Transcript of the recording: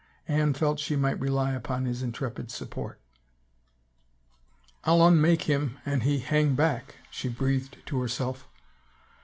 Anne felt she might rely upon his intrepid support. " I'll unmake him an he hang back," she breathed to herself.